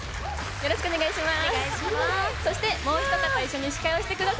よろしくお願いします。